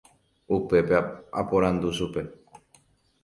Upépe aporandu chupe.